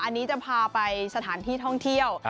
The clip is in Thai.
อันนี้จะพาไปสถานที่ท่องเที่ยว